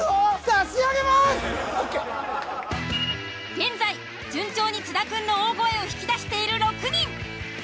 現在順調に津田くんの大声を引き出している６人。